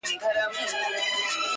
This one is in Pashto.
تا دي کرلي ثوابونه د عذاب وخت ته.